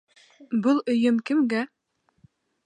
Был өйөм кемгә?